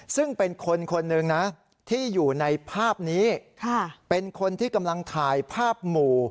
ซึ่งเป็นคนคนหนึ่งนะที่อยู่ในภาพนี้เป็นคนที่กำลังถ่ายภาพหมู่